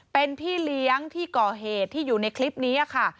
เป็นพี่เลี้ยงที่ก่อเหตุที่อยู่ในคลิปนี้ค่ะ